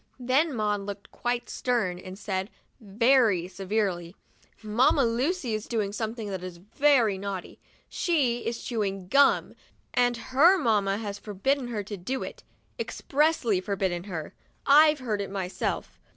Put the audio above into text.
Then Maud looked quite stern and said, very severely, " Mamma Lucy is doing something that is very naughty. She is chewing GUM, and her mamma has forbidden her to do it, expressly forbidden her; I've heard her myself."